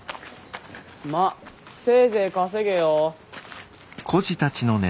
まあせいぜい稼げよ！